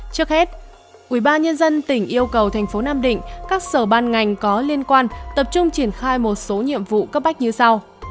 trước hết ubnd tỉnh yêu cầu thành phố nam định các sở ban ngành có liên quan tập trung triển khai một số nhiệm vụ cấp bách như sau